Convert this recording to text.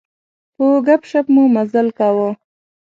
په ګپ شپ مو مزال کاوه.